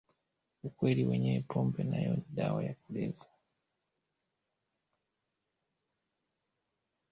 ukweli wenyewe pombe nayo ni dawa ya kulevya